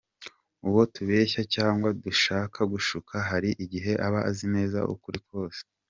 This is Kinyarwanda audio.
uwo tubeshya cyangwa dushaka gushuka hari igihe aba azi neza ukuri kose.